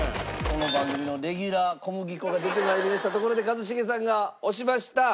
この番組のレギュラー小麦粉が出て参りましたところで一茂さんが押しました。